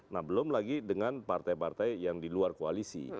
nah belum lagi dengan partai partai yang di luar koalisi